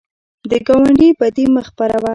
د ګاونډي بدي مه خپروه